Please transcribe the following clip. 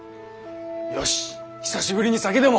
よし久しぶりに酒でも。